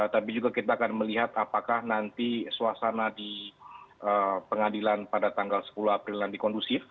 tapi juga kita akan melihat apakah nanti suasana di pengadilan pada tanggal sepuluh april nanti kondusif